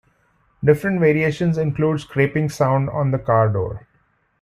Different variations include a scraping sound on the car door.